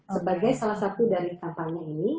sebagai salah satu dari kampanye ini